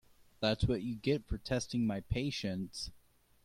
That’s what you get for testing my patience.